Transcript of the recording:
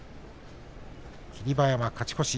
霧馬山は勝ち越し。